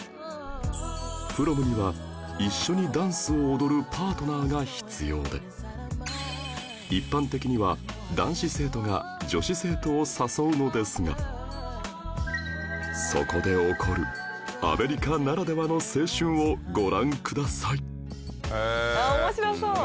プロムには一緒にダンスを踊るパートナーが必要で一般的には男子生徒が女子生徒を誘うのですがそこで起こるアメリカならではの青春をご覧ください